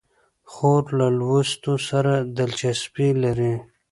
خور له لوستو سره دلچسپي لري.